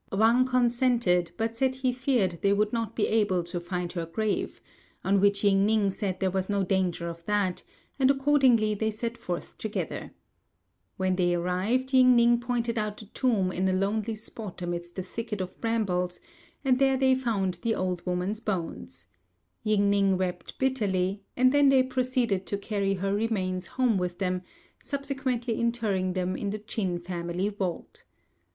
Wang consented, but said he feared they would not be able to find her grave; on which Ying ning said there was no danger of that, and accordingly they set forth together. When they arrived, Ying ning pointed out the tomb in a lonely spot amidst a thicket of brambles, and there they found the old woman's bones. Ying ning wept bitterly, and then they proceeded to carry her remains home with them, subsequently interring them in the Ch'in family vault.